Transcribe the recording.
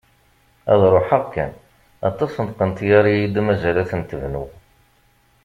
Ad ruḥeɣ kan; aṭas n tqenṭyar i yi-d-mazal ad tent-bnuɣ!